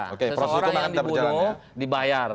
seseorang yang dibunuh dibayar